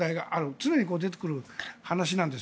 常に出てくる話なんです。